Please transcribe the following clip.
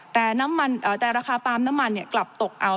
แต่ราคาปาล์มน้ำมันกลับตกเอา